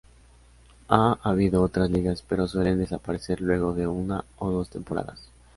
Ha habido otras ligas pero suelen desaparecer luego de una o dos temporadas.